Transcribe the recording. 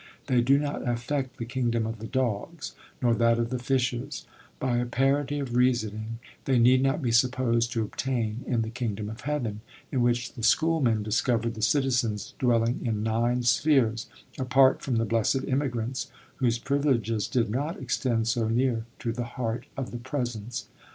They do not affect the Kingdom of the Dogs, nor that of the Fishes; by a parity of reasoning they need not be supposed to obtain in the Kingdom of Heaven, in which the schoolmen discovered the citizens dwelling in nine spheres, apart from the blessed immigrants, whose privileges did not extend so near to the Heart of the Presence.